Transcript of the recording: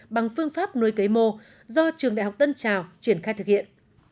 bằng phương pháp nuôi cấy mô do trường đại học tân trào triển khai thực hiện